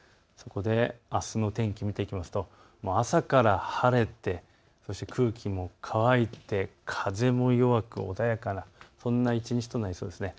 あすの天気を見ていきますと朝から晴れてそして空気も乾いて風も弱く穏やかな、そんな一日となりそうです。